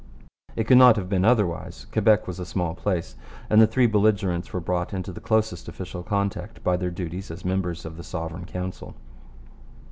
It could not have been otherwise. Quebec was a small place, and the three belligerents were brought into the closest official contact by their duties as members of the Sovereign Council.